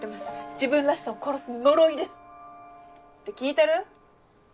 自分らしさを殺す呪いです」。って聞いてる？